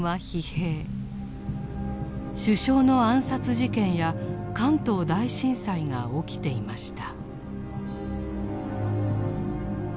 首相の暗殺事件や関東大震災が起きていました。